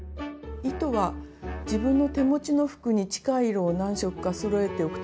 糸は自分の手持ちの服に近い色を何色かそろえておくと便利です。